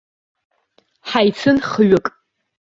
Ҳаицын хҩык.